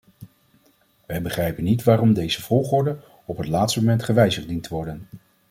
Wij begrijpen niet waarom deze volgorde op het laatste moment gewijzigd dient te worden.